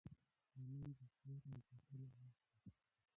ځواني د کار او ګټلو وخت دی.